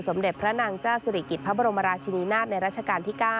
เด็จพระนางเจ้าศิริกิจพระบรมราชินินาศในราชการที่๙